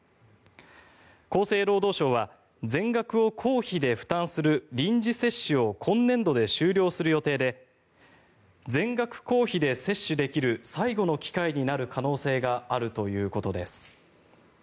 厚生労働省は全額を公費で負担する臨時接種を今年度で終了する予定で全額公費で接種できる最後の機会になる可能性があるということです。